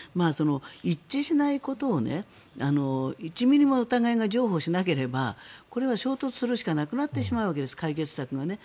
一致しないことを１ミリもお互いが譲歩しなければこれは衝突するしかなくなってしまうわけです解決策がね。